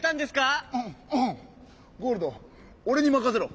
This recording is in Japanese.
ゴールドおれにまかせろ！